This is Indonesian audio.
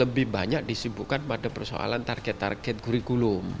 lebih banyak disibukkan pada persoalan target target kurikulum